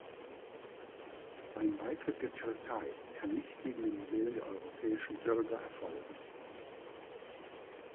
Ein Beitritt der Türkei kann nicht gegen den Willen der europäischen Bürger erfolgen.